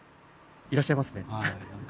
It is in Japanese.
いらっしゃいますね。